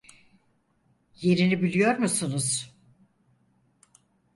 Yerini biliyor musunuz?